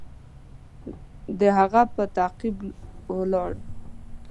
د هغه په تعقیب ولاړ.